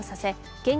現金